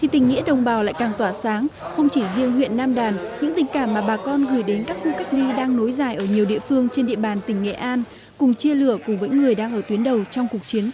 tình nghệ an đang tiếp nhận cách ly tập trung trên địa bàn